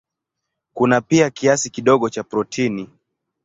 Kuna pia kiasi kidogo cha protini.